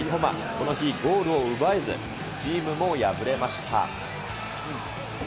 この日ゴールを奪えず、チームも敗れました。